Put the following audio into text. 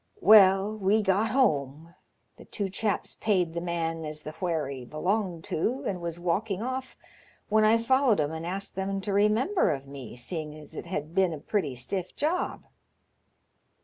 Well, we got home. The two chaps paid the man as the wherry belonged to, and was walking oflf when I followed 'em and asked them to remember of me, seeing as it had been a pretty stiff job.